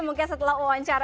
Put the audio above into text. mungkin setelah wawancara